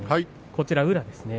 こちら、宇良ですね。